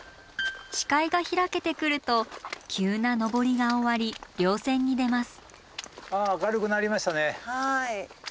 視界が開けてくると急な登りが終わり稜線に出ます。